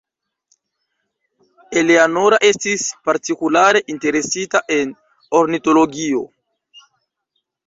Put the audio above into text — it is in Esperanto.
Eleanora estis partikulare interesita en ornitologio.